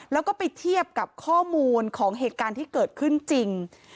แล้วก็ไปเทียบกับข้อมูลของเหตุการณ์ที่เกิดขึ้นจริง